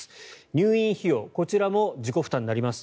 入院費用こちらも自己負担になります。